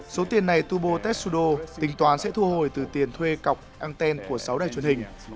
số tiền này tobu tetsudo tỉnh toán sẽ thu hồi từ tiền thuê cọc anten của sáu đài truyền hình